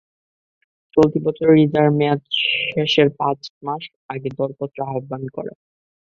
চলতি বছরের ইজারার মেয়াদ শেষের পাঁচ মাস আগে দরপত্র আহ্বান করা।